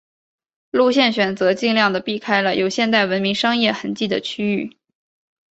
路线选择尽量的避开了有现代文明商业痕迹的区域。